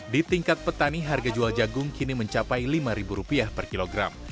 di tingkat petani harga jual jagung kini mencapai rp lima per kilogram